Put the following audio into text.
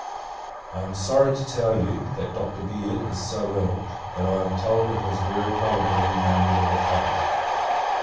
I am sorry to tell you, that Dr. Baird is so ill, that I am told it is very probable he may never recover.